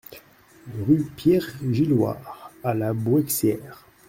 Rue Pierre Gillouard à La Bouëxière